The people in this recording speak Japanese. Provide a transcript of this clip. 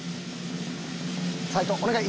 斉藤お願い！